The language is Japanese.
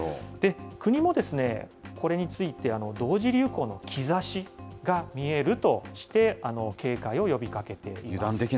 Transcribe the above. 国もこれについて、同時流行の兆しが見えるとして、警戒を呼びかけています。